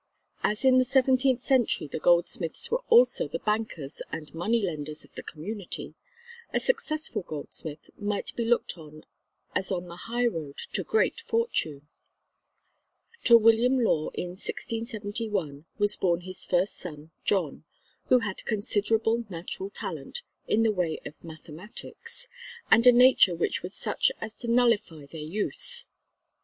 As in the seventeenth century the goldsmiths were also the bankers and moneylenders of the community, a successful goldsmith might be looked on as on the highroad to great fortune. To William Law in 1671 was born his first son John, who had considerable natural talent in the way of mathematics and a nature which was such as to nullify their use.